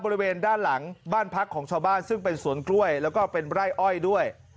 บริเวณด้านหลังบ้านพักของชาวบ้านซึ่งเป็นสวนกล้วยแล้วก็เป็นไร่อ้อยด้วย